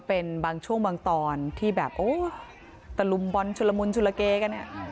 เป็นบางช่วงบางตอนที่แบบโอ้ตะลุมบอลชุลมุนชุลเกกันเนี่ย